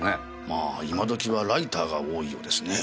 まあ今時はライターが多いようですね。